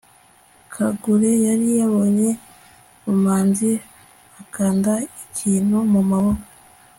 kagure yari yabonye lumanzi akanda ikintu mumaboko